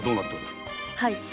はい。